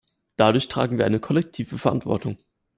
Dadurch tragen wir eine kollektive Verantwortung.